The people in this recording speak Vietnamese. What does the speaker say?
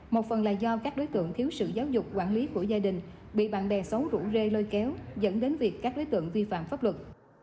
một phần là do các đối tượng thiếu sự giáo dục quản lý của gia đình bị bạn bè xấu rủ rê lôi kéo dẫn đến việc các đối tượng vi phạm pháp luật